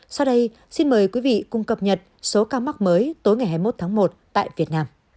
sau đây xin mời quý vị cùng cập nhật số ca mắc mới tối ngày hai mươi một tháng một tại việt nam